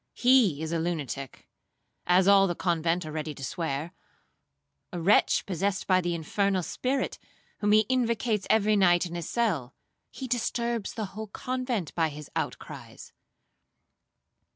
He is a lunatic, as all the convent are ready to swear,—a wretch possessed by the infernal spirit, whom he invocates every night in his cell,—he disturbs the whole convent by his outcries.'